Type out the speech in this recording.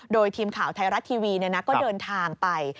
โดยทีมข่าวไทยรัฐทีวีก็เดินทางไป